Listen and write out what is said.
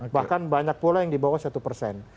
bahkan banyak pula yang di bawah satu persen